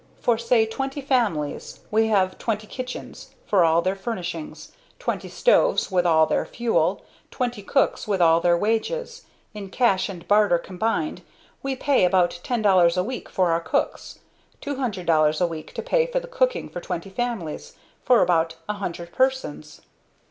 For, say twenty families, we have twenty kitchens with all their furnishings, twenty stoves with all their fuel; twenty cooks with all their wages; in cash and barter combined we pay about ten dollars a week for our cooks $200 a week to pay for the cooking for twenty families, for about a hundred persons!